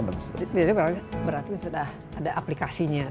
berarti sudah ada aplikasinya